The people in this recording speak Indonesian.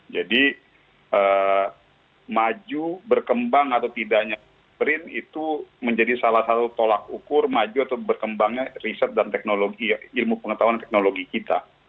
jadi maju berkembang atau tidaknya brin itu menjadi salah satu tolak ukur maju atau berkembangnya riset dan teknologi ilmu pengetahuan teknologi kita